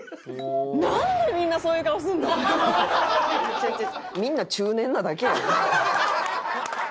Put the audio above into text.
違う違う。